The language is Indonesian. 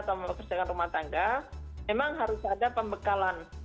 kalau pekerjaan rumah tangga memang harus ada pembekalan